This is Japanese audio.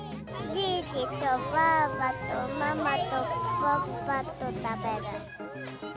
じいじとばあばとママとパパと食べる。